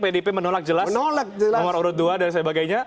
pdip menolak jelas nomor urut dua dan sebagainya